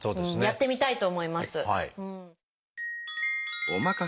やってみたいと思います。